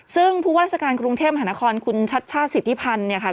ซึ่งผู้ว่าราชการกรุงเทพมหานครคุณชัชชาติสิทธิพันธ์เนี่ยค่ะ